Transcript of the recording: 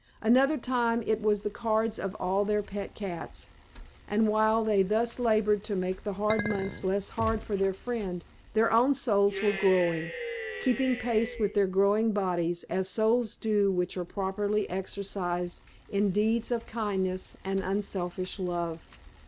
Another time it was the cards of all their pet cats. And while they thus labored to make the hard months less hard for their friend, their own souls were growing, keeping pace with their growing bodies, as souls do which are properly exercised in deeds of kindliness and unselfish love.